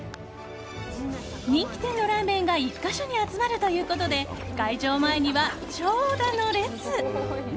人気店のラーメンが１か所に集まるということで会場前には長蛇の列。